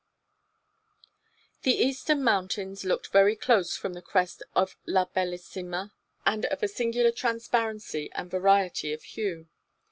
XII The eastern mountains looked very close from the crest of La Bellissima and of a singular transparency and variety of hue.